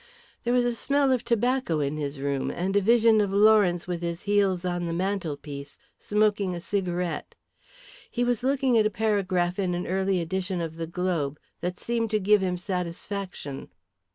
There was a smell of tobacco in his room and a vision of Lawrence with his heels on the mantelpiece smoking a cigarette. He was looking at a paragraph in an early edition of the Globe that seemed to give him satisfaction.